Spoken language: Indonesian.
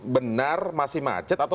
benar masih macet atau